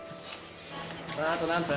あと何分？